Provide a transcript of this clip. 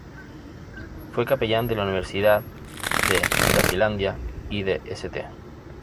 Fue capellán de la Universidad de Suazilandia y de St.